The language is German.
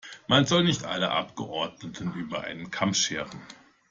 Man sollte nicht alle Abgeordneten über einen Kamm scheren.